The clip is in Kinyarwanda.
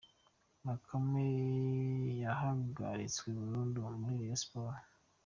Bakame yahagaitswe burundu muri Rayon Sports.